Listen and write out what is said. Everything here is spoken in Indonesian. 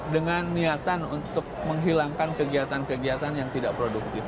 dengan niatan untuk menghilangkan kegiatan kegiatan yang tidak produktif